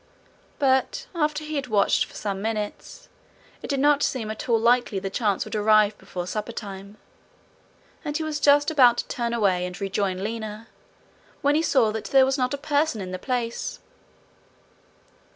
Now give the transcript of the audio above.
But after he had watched for some minutes, it did not seem at all likely the chance would arrive before suppertime, and he was just about to turn away and rejoin Lina, when he saw that there was not a person in the place.